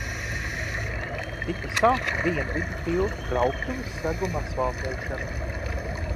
Tika sākta Dienvidu tilta brauktuves seguma asfaltēšana.